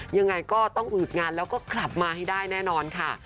ยังไงก็ต้องอืดงานแล้วก็กลับมาให้ได้แน่นอนค่ะ